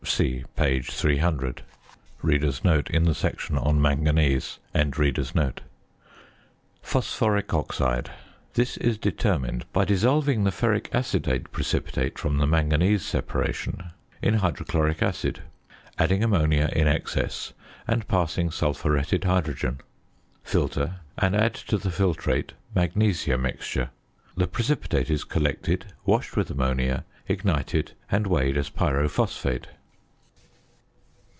See page 300. ~Phosphoric Oxide.~ This is determined by dissolving the ferric acetate precipitate from the manganese separation in hydrochloric acid, adding ammonia in excess, and passing sulphuretted hydrogen. Filter and add to the filtrate "magnesia mixture." The precipitate is collected, washed with ammonia, ignited, and weighed as pyrophosphate.